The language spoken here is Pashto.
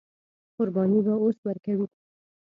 قرباني به اوس ورکوي.